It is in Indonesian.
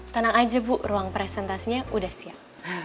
tenang aja bu ruang presentasinya udah siap